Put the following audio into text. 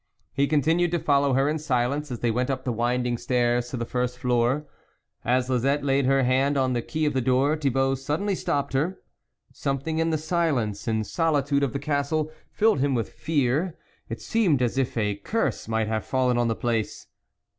He continued to follow her in silence as they went up the winding stairs to the irst floor. As Lisette laid her hand on the key of the door, Thibault suddenly .topped her. Something in the silence and solitude of the castle filled him with fear ; it seemed as if a curse might have fallen on the place.